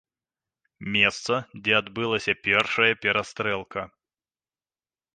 Месца, дзе адбылася першая перастрэлка.